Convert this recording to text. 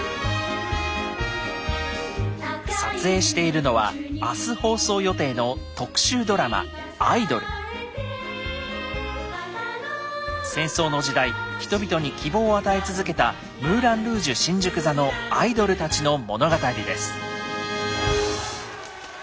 撮影しているのはあす放送予定の戦争の時代人々に希望を与え続けたムーラン・ルージュ新宿座のアイドルたちの物語です。